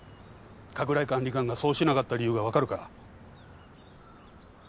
加倉井管理官がそうしなかった理由がわかるか？